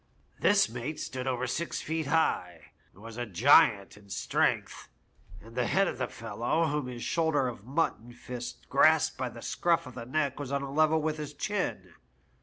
This mate stood over six feet high, and was a giant in strength, and the head of the fellow whom his shoulder of mutton fist grasped by the scruflf of the neck was on a level with his chin.